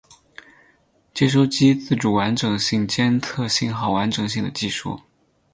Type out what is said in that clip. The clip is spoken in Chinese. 接收机自主完整性监测信号完整性的技术。